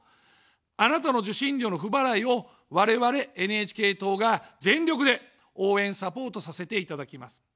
あなたの受信料の不払いを我々ＮＨＫ党が全力で応援・サポートさせていただきます。